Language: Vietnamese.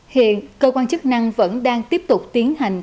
hiện cơ quan chức năng vẫn đang tiếp tục tiến hành